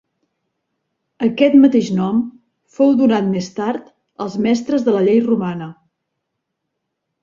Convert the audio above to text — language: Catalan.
Aquest mateix nom fou donat més tard als mestres de la llei romana.